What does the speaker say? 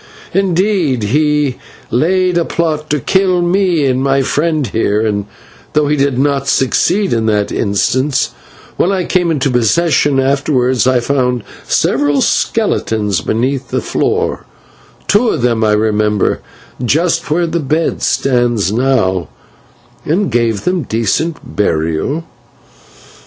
Indeed, he laid a plot to kill me and my friend here, and, though he did not succeed in that instance, when I came into possession afterwards, I found several skeletons beneath the floor two of them, I remember, just where the bed stands now and gave them decent burial."